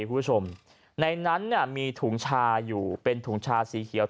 คุณผู้ชมในนั้นเนี่ยมีถุงชาอยู่เป็นถุงชาสีเขียว